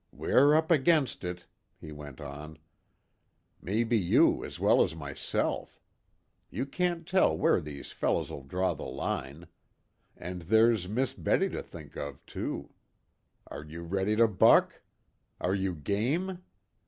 "We're up against it," he went on. "Maybe you as well as myself. You can't tell where these fellows'll draw the line. And there's Miss Betty to think of, too. Are you ready to buck? Are you game?